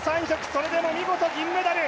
それでも見事銀メダル。